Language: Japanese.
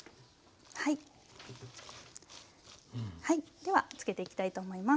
では漬けていきたいと思います。